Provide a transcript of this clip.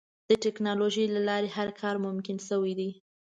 د ټکنالوجۍ له لارې هر کار ممکن شوی دی.